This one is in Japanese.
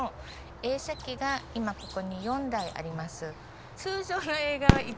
映写機が今ここに４台あります。